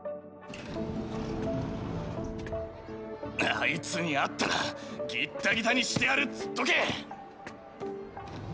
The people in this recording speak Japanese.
あいつに会ったらギッタギタにしてやるっつっとけ！